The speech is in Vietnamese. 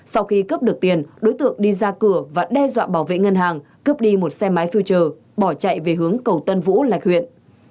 sau khi cướp được tiền đối tượng đi ra cửa và đe dọa bảo vệ ngân hàng cướp đi một xe máy futer bỏ chạy về hướng cầu tân vũ lạch huyện